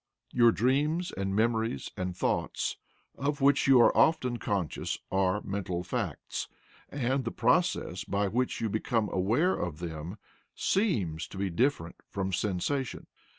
Your dreams and memories and thoughts, of which you are often conscious, are mental facts, and the process by which you become aware of them SEEMS to be different from sensation.